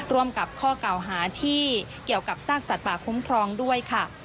ร่วมกับข้อเก่าหาที่เกี่ยวกับซากสัตว์ป่าคุ้มครองด้วยค่ะ